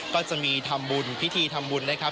ก็จะมีธรรมบุญพิธีธรรมบุญนะครับ